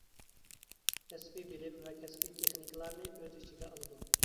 كەسپىي بىلىم ۋە كەسپىي تېخنىكىلارنى ئۆز ئىچىگە ئالىدۇ.